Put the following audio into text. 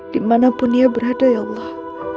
dimanapun dia berada ya allah